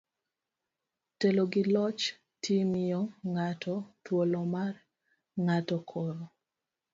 telo gi loch ti miyo ng'ato thuolo mar ng'ato koro